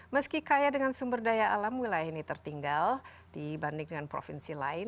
meski kaya dengan sumber daya alam wilayah ini tertinggal dibanding dengan provinsi lain